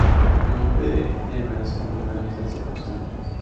Felipe de Nevers murió en esas circunstancias.